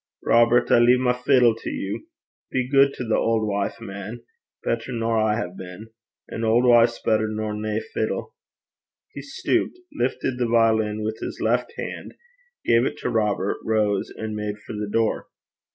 Robert, I lea my fiddle to you. Be guid to the auld wife, man better nor I hae been. An auld wife's better nor nae fiddle.' He stooped, lifted the violin with his left hand, gave it to Robert, rose, and made for the door.